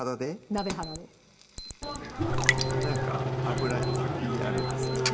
鍋肌でこれ何か油意味あるんですかね？